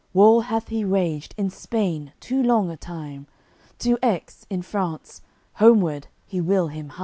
War hath he waged in Spain too long a time, To Aix, in France, homeward he will him hie.